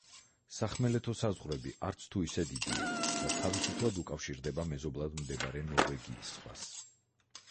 სახმელეთო საზღვრები არც თუ ისე დიდია და თავისუფლად უკავშირდება მეზობლად მდებარე ნორვეგიის ზღვას.